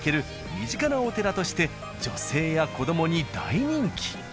身近なお寺として女性や子供に大人気。